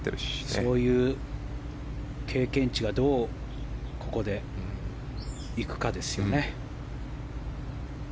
そういう経験値がどうここで行くかですよね。